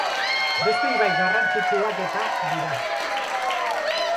Beste ibai garrantzitsuak eta dira.